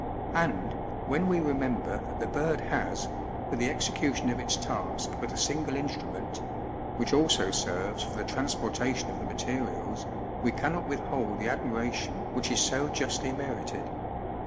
And, when we remember that the bird has, for the execution of its task, but a single instrument, which also serves for the transportation of the materials, we cannot withhold the admiration which is so justly merited.